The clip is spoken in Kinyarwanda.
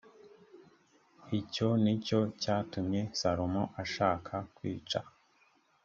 icyo ni cyo cyatumye salomo ashaka kwica